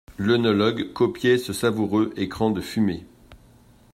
L'œnologue copiait ce savoureux écran de fumée.